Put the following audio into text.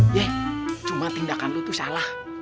ye cuma tindakan lu tuh salah